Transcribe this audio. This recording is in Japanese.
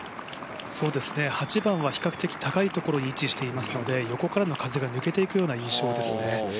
８番は比較的高いところに位置していますので、横からの風が抜けていくような印象ですね。